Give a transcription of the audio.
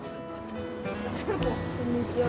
こんにちは。